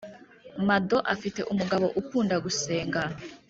Mado afite umugabo ukunda gusenga